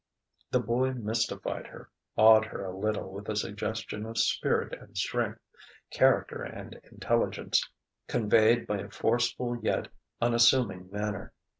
The boy mystified her, awed her a little with a suggestion of spirit and strength, character and intelligence, conveyed by a forceful yet unassuming manner.